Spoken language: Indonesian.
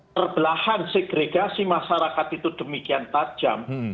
terbelahan segregasi masyarakat itu demikian tajam